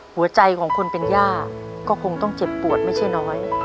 หัวใจของคนเป็นย่าก็คงต้องเจ็บปวดไม่ใช่น้อย